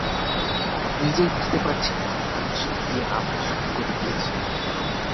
নিজেই বুঝতে পারছি না যে, আমি সিঁড়ি দিয়ে নামতে শুরু করে দিয়েছি।